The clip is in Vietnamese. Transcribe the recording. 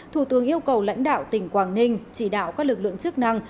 thủ tướng yêu cầu lãnh đạo tỉnh quảng ninh chỉ đạo các lực lượng chức năng